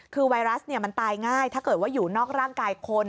คือไวรัสมันตายง่ายถ้าเกิดว่าอยู่นอกร่างกายคน